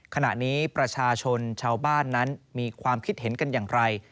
ขณะนี้ประชาชนชาวบ้านนั้นมีความคิดเห็นกันอย่างไร